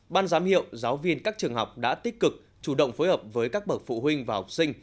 ban giám hiệu giáo viên các trường học đã tích cực chủ động phối hợp với các bậc phụ huynh và học sinh